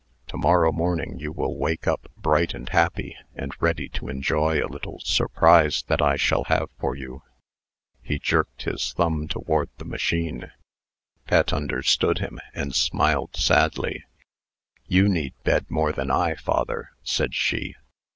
To morrow morning you will wake up bright and happy, and ready to enjoy a little surprise that I shall have for you." He jerked his thumb toward the machine. Pet understood him, and smiled sadly. "You need bed more than I, father," said she.